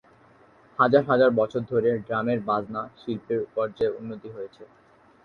হাজার হাজার বছর ধরে ড্রামের বাজনা শিল্পের পর্যায়ে উন্নিত হয়েছে।